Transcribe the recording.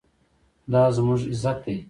دا زموږ عزت دی